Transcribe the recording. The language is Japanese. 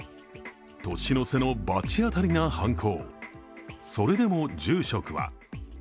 年の瀬の罰当たりな犯行。